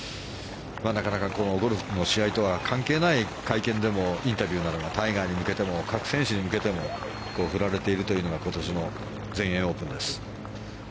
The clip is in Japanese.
なかなかゴルフの試合とは関係ない会見でのインタビューなどがタイガーに向けても各選手に向けても振られているというのが今年の全英オープンです。